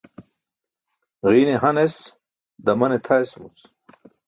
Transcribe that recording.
Ġiine han es, damane tʰa esumuc.